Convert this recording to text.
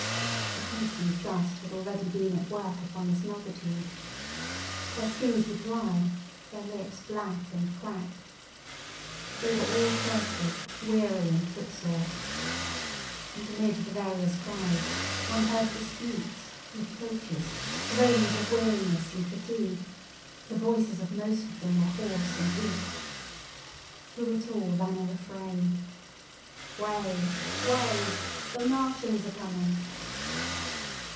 The heat and dust had already been at work upon this multitude. Their skins were dry, their lips black and cracked. They were all thirsty, weary, and footsore. And amid the various cries one heard disputes, reproaches, groans of weariness and fatigue; the voices of most of them were hoarse and weak. Through it all ran a refrain: "Way! Way! The Martians are coming!"